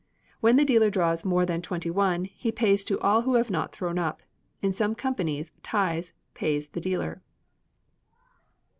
When the dealer draws more than twenty one, he pays to all who have not thrown up. In some companies ties pays the dealer.